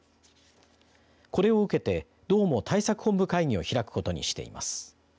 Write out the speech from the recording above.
これを受けて道も対策本部会議を開くことにしています。